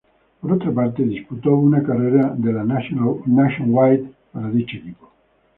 Por otra parte, disputó una carrera de la Nationwide para dicho equipo.